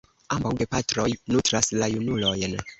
Ambaŭ gepatroj nutras la junulojn.